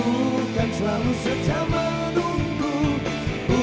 bukan selalu saja menunggu